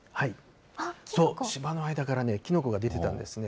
芝の間からキノコが出てたんですね。